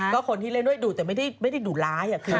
ก็คนที่เล่นด้วยดุแต่ไม่ได้ดุร้าย